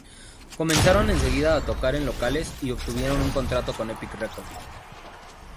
Comenzaron enseguida a tocar en locales y obtuvieron un contrato con Epic Records.